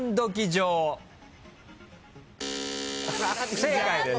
不正解です。